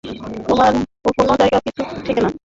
তোমার কোনো জায়গায় কিছু ঠেকে না?